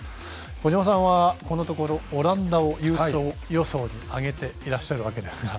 小島さんはこのところオランダを優勝予想に挙げていらっしゃるわけですが。